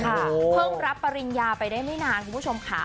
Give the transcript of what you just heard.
เพิ่งรับปริญญาไปได้ไม่นานคุณผู้ชมค่ะ